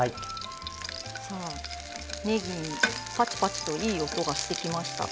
さあねぎパチパチといい音がしてきました。